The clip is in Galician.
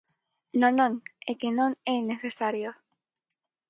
Non, non, é que non é necesario.